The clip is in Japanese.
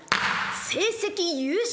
成績優秀。